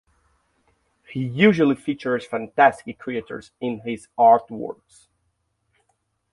He usually features fantastic creatures in his artworks.